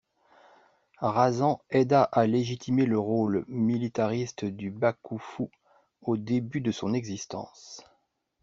Razan aida à légitimer le rôle militariste du bakufu au début de son existence.